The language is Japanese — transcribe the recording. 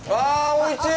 おいしい！